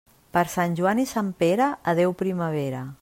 Per Sant Joan i Sant Pere, adéu primavera.